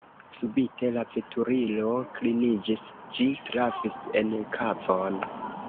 Subite la veturilo kliniĝis: ĝi trafis en kavon.